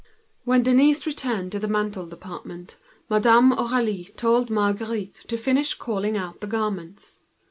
When Denise returned to the ready made department Madame Aurélie left Marguerite to finish calling out the garments.